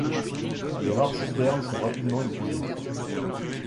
Les rares citernes sont rapidement épuisées.